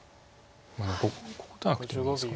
まあここ打たなくてもいいですか。